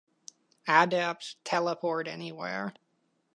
Adepts teleport anywhere.